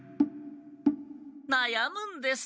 なやむんです。